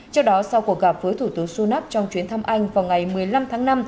trước đó sau cuộc gặp với thủ tướng sunak trong chuyến thăm anh vào ngày một mươi năm tháng năm